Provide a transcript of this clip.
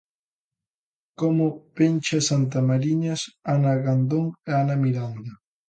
Como Pencha Santamariñas, Ana Gandón e Ana Miranda.